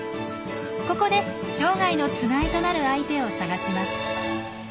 ここで生涯のつがいとなる相手を探します。